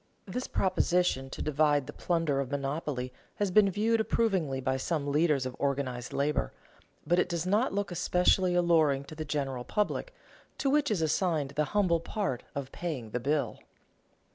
This proposition to divide the plunder of monopoly has been viewed approvingly by some leaders of organized labor, but it does not look especially alluring to the general public, to which is assigned the humble part of paying the bill.